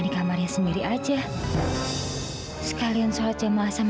kamilah sholat di kamarnya